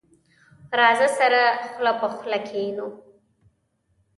راځه، سره خله په خله کېنو.